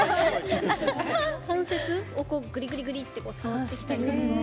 関節をぐりぐりぐりって触ってきたり。